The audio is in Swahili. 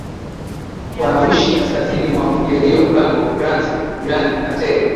wanaoishi kaskazini mwa mji rio gambo grance jirani na tere